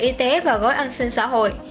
y tế và gói an sinh xã hội